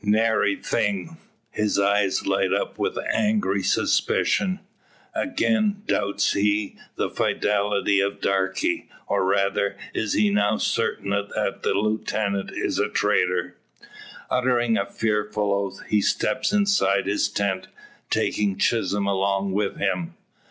"Nary thing." His eyes light up with angry suspicion. Again doubts he the fidelity of Darke, or rather is he now certain that the lieutenant is a traitor. Uttering a fearful oath, he steps inside his tent, taking Chisholm along with him.